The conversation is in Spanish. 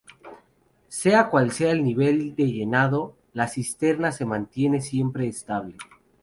Sea cual sea el nivel de llenado, la cisterna se mantiene siempre estable.